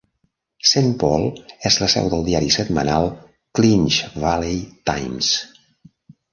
Saint Paul és la seu del diari setmanal "Clinch Valley Times".